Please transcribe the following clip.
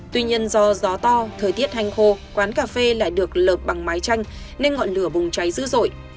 tuy nhiên do gió to thời tiết hành khô quán cà phê lại được lợp bằng mái chanh nên ngọn lửa bùng cháy dữ dội